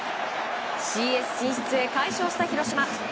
ＣＳ進出へ快勝した広島。